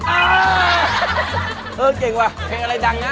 เออเก่งว่ะเพลงอะไรดังนะ